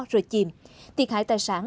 rồi chìm thiệt hại tài sản